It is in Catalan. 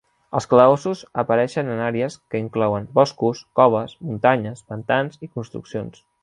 Els calabossos apareixen en àrees que inclouen boscos, coves, muntanyes, pantans i construccions.